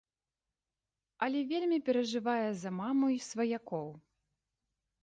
Але вельмі перажывае за маму і сваякоў.